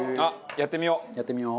やってみよう。